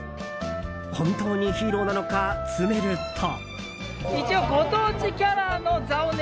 本当にヒーローなのか詰めると。